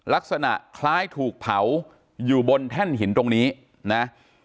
ลักษณะคล้ายถูกเผาอยู่บนแท่นหินตรงนี้นะ